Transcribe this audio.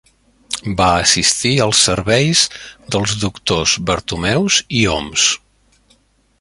Va assistir als serveis dels doctors Bartomeus i Homs.